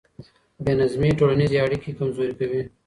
بې نظمي ټولنيز اړيکي کمزوري کوي.